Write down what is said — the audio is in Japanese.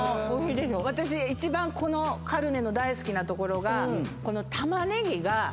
私一番このカルネの大好きなところが。